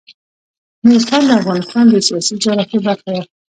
نورستان د افغانستان د سیاسي جغرافیه برخه ده.